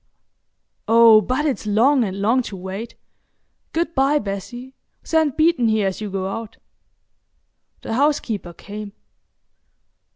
Oh, but it's long and long to wait! Good bye, Bessie,—send Beeton here as you go out." The housekeeper came.